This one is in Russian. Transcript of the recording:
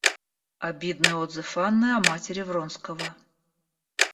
Обидный отзыв Анны о матери Вронского.